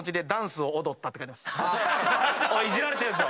いじられてるぞ。